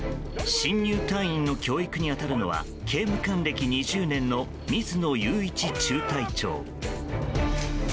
新入隊員の教育に当たるのは刑務官歴２０年の水野雄一中隊長。